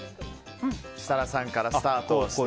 設楽さんからスタートです。